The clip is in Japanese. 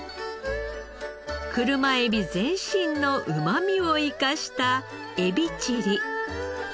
車エビ全身のうまみを生かしたエビチリ。